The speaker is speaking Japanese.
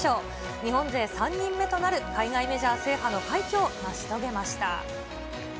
日本勢３人目となる海外メジャー制覇の快挙を成し遂げました。